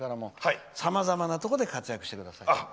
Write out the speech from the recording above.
さまざまなところで活躍してください。